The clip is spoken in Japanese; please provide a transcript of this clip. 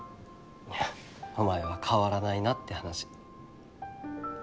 いやお前は変わらないなって話。